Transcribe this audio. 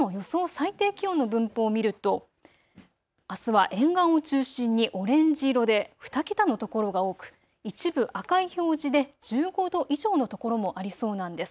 最低気温の分布を見るとあすは沿岸を中心にオレンジ色で２桁の所が多く一部、赤い表示で１５度以上の所もありそうなんです。